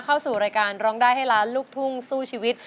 เข้าสู่รายการร้องได้ให้ล้านลูกทุ่งสู้ชีวิต